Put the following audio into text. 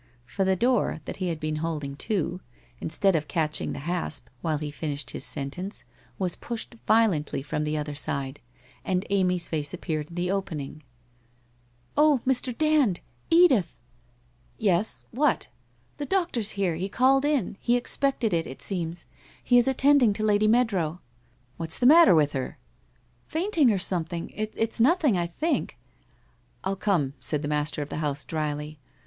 For the door, that he had been holding to, instead of catching the hasp, while he finished his sentence, was pushed violently from the other side, and Amy's face ap peared in the opening. 1 Oh, Mr. Dand ! Edith !' 'Yes! What?' ' The doctor's here. He called in. He expected it, it seems. He is attending to Lady Moadrow.' 'What's the matter with her?' 'Fainting or something! It's nothing, I think '* I'll come,' said the master of the house drily.